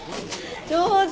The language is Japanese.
上手！